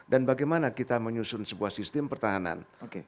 dan bagaimana kita menyusun sebuah sistem pertahanan